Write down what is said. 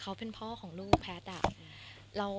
เขาเป็นพ่อของลูกแพทย์อะ